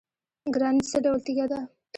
ګرانیټ څه ډول تیږه ده؟